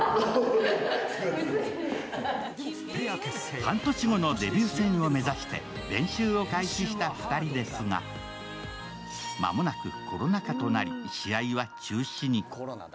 半年後のデビュー戦を目指して練習を開始した２人ですが間もなくコロナ禍となり試合は中止に。